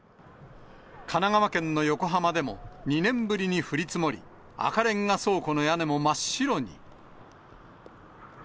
神奈川県の横浜でも、２年ぶりに降り積もり、赤レンガ倉庫の屋根も真っ白に。